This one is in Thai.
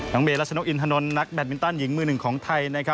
เมรัชนกอินทนนท์นักแบตมินตันหญิงมือหนึ่งของไทย